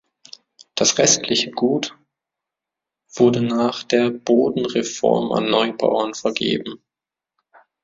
Das restliche Gut wurde nach der Bodenreform an Neubauern vergeben.